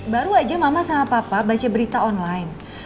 baru aja mama sama papa baca berita online